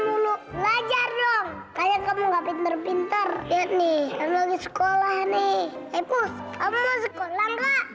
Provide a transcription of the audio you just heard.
dulu belajar dong kayak kamu gak pinter pinter ini kamu di sekolah nih ibu kamu sekolah enggak